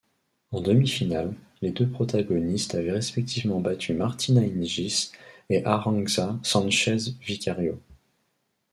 En demi-finale, les deux protagonistes avaient respectivement battu Martina Hingis et Arantxa Sánchez Vicario.